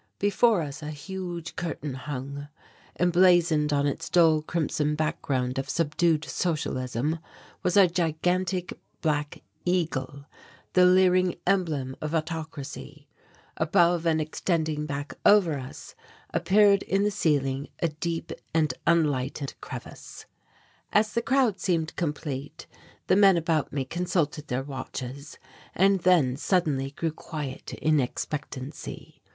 Before us a huge curtain hung. Emblazoned on its dull crimson background of subdued socialism was a gigantic black eagle, the leering emblem of autocracy. Above and extending back over us, appeared in the ceiling a deep and unlighted crevice. As the crowd seemed complete the men about me consulted their watches and then suddenly grew quiet in expectancy.